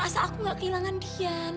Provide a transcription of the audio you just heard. asal aku gak kehilangan dian